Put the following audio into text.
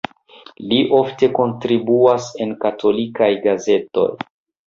Li ofte kontribuas en katolikaj gazetoj.